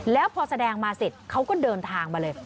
แล้วพอแสดงมาเสร็จเขาก็เดินทางมาเลย